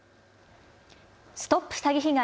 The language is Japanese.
ＳＴＯＰ詐欺被害！